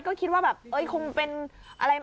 ก็คิดว่าแบบคงเป็นอะไร